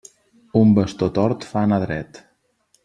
Un bastó tort fa anar dret.